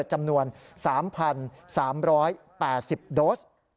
จำนวน๓๓๘๐โดส